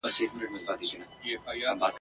دوه خورجینه په لومړۍ ورځ خدای تیار کړل !.